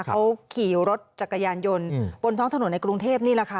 เขาขี่รถจักรยานยนต์บนท้องถนนในกรุงเทพนี่แหละค่ะ